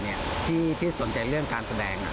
คือลักษณะของบุกขาที่สนใจเรื่องการแสดง